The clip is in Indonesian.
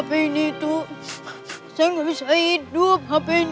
tidak ada yang bisa dikawal